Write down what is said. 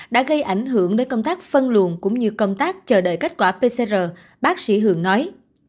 đã gây ảnh hưởng đến công tác phân luồn cũng như công tác chờ đợi kết quả pcr bác sĩ hường nói